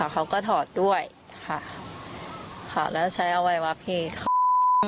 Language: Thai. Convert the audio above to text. เขาก็ถอดด้วยค่ะแล้วใช้เอาไว้ว่าพี่